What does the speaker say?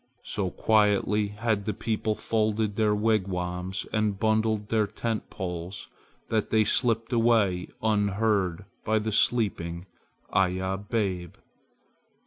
So quietly had the people folded their wigwams and bundled their tent poles that they slipped away unheard by the sleeping Iya babe.